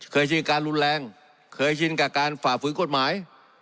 เช่นการรุนแรงเคยชินกับการฝ่าฝืนกฎหมาย